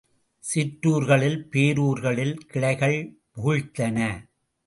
சிற்றூர்களில், பேரூர்களில் கிளைகள் முகிழ்த்தன.